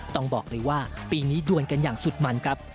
ต้องบอกเลยว่าปีนี้ดวนกันอย่างสุดมันครับ